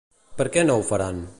Per què no ho faran?